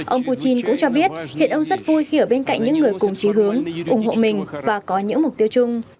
ông putin cũng cho biết hiện ông rất vui khi ở bên cạnh những người cùng trí hướng ủng hộ mình và có những mục tiêu chung